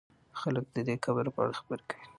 خلک د دې قبر په اړه خبرې کوي.